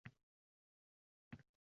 Butun umr omad kulib boqqandek tuyulardi.